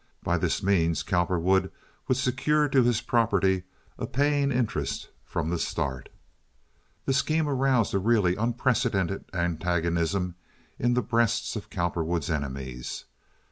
By this means Cowperwood would secure to his property a paying interest from the start. This scheme aroused a really unprecedented antagonism in the breasts of Cowperwood's enemies.